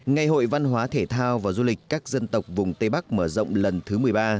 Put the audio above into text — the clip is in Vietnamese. ngày hội văn hóa thể thao và du lịch các dân tộc vùng tây bắc mở rộng lần thứ một mươi ba